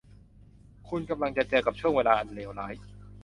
คุณกำลังจะเจอกับช่วงเวลาอันเลวร้าย